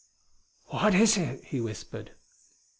"What is it?" he whispered.